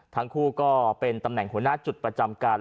ทั้งคู่ก็เป็นตำแหน่งหัวหน้าจุดประจำการ